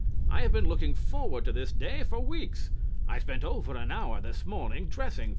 I have been looking forward to this day for weeks. I spent over an hour this morning dressing for it.